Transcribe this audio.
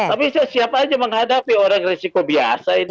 tapi saya siap aja menghadapi orang risiko biasa ini